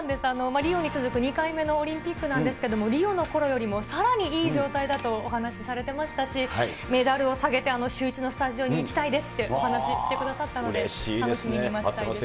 リオに続く２回目のオリンピックなんですけれども、リオのころよりも、さらにいい状態だとお話しされてましたし、メダルを下げてあのシューイチのスタジオに来たいですって話ししてくださったので、楽しみに待ちたいと思います。